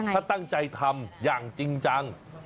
ถ้าตั้งใจทำอย่างจริงจัง